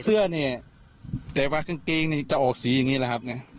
เสื้อเนี่ยแต่ว่ากางเกงนี่จะออกสีอย่างนี้แหละครับนะ